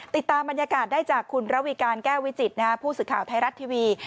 ติดตามบรรยากาศได้จากคุณระวีการแก้ววิจิตผู้สื่อข่าวไทยรัฐทีวี